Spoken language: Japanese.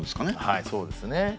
はいそうですね。